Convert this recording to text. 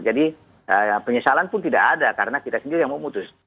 jadi penyesalan pun tidak ada karena kita sendiri yang memutus